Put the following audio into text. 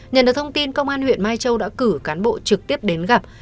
nhận được thông tin công an huyện mai châu đã cử cán bộ trực tiếp đến gặp